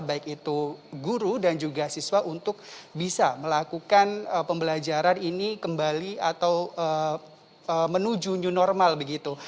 baik itu guru dan juga siswa untuk bisa melakukan pembelajaran ini kembali atau menuju new normal begitu